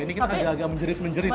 ini kita agak agak menjerit menjerit